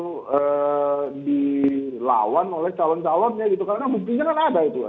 dia juga gitu di lawan oleh calon calonnya gitu karena mungkin kan ada itu